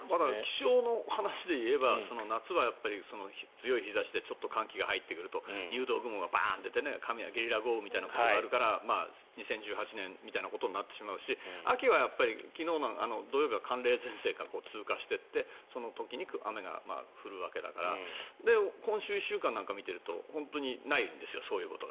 気象の話でいえば夏はやっぱり強い日差しでちょっと寒気が入ってくると入道雲がバーンと出てゲリラ豪雨みたいなことがあるから２０１８年みたいなことになってしまうし秋は、土曜日は寒冷前線が通過していってその時に雨が降るわけだから今週１週間なんか見てると本当にそういうことがないんですよ。